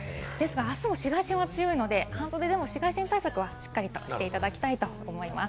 明日も紫外線は強いので、半袖でも紫外線対策はしっかりしていただきたいと思います。